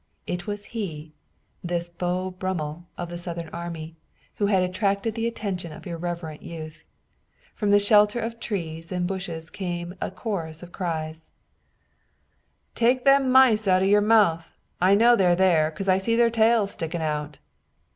It was he, this Beau Brummel of the Southern army, who had attracted the attention of irreverent youth. From the shelter of trees and bushes came a chorus of cries: "Take them mice out o' your mouth! I know they're there, 'cause I see their tails stickin' out!"